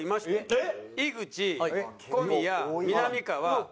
えっ！